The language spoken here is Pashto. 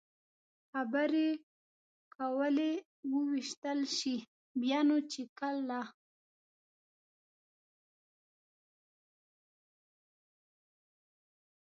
خبرې کولې، ووېشتل شي، بیا نو چې کله.